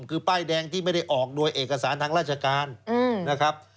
คือป้ายแดงที่ไม่ได้ออกโดยเอกสารทางราชการนะครับ